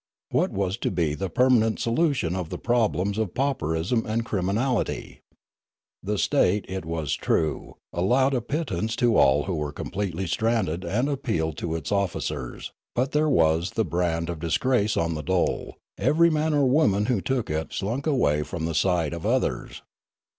What was to be the permanent solution of the problems of pauperism and criminality ? The state, it was true, allowed a pittance to all who were completely stranded and appealed to its officers ; but there was the brand of disgrace on the dole ; every man or woman who took it slunk away from the sight of others.